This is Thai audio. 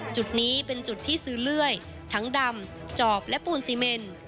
จุดนี้เป็นจุดที่ซื้อเลื่อยทั้งดำจอบและปูนซีเมน